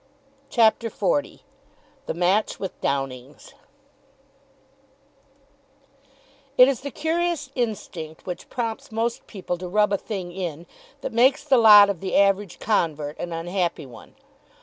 CHAPTER XL THE MATCH WITH DOWNING'S It is the curious instinct which prompts most people to rub a thing in that makes the lot of the average convert an unhappy one.